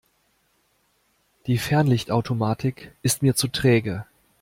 Die Fernlichtautomatik ist mir zu träge.